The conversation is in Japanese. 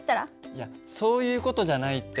いやそういう事じゃないって。